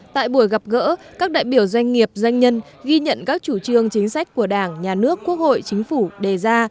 tại buổi gặp gỡ các đại biểu doanh nghiệp doanh nhân ghi nhận các chủ trương chính sách của đảng nhà nước quốc hội chính phủ đề ra